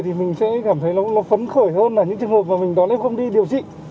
thì mình sẽ cảm thấy nó phấn khởi hơn là những trường hợp mà mình đón lễ không đi điều trị